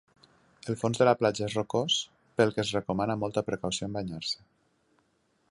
El fons de la platja és rocós pel que es recomana molta precaució en banyar-se.